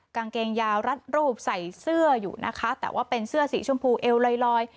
กางเกงยาวรัดรูปใส่เสื้ออยู่นะคะแต่ว่าเป็นเสื้อสีชมพูเอวลอย